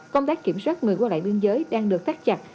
công tác kiểm soát người qua lại biên giới đang được thắt chặt